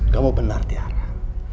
kamu benar tiara